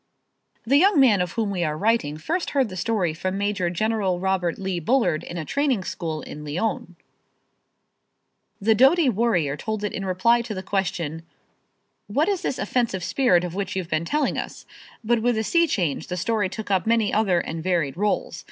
The young man of whom we are writing first heard the story from Major General Robert Lee Bullard in a training school in Lyons. The doughty warrior told it in reply to the question, "What is this offensive spirit of which you've been telling us?" But with a sea change the story took up many other and varied rôles.